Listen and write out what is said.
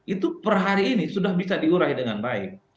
itu per hari ini sudah bisa diurai dengan baik